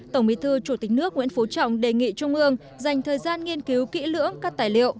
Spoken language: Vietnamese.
tổng bí thư chủ tịch nước nguyễn phú trọng đề nghị trung ương dành thời gian nghiên cứu kỹ lưỡng các tài liệu